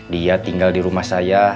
dia tinggal di rumah saya ada apa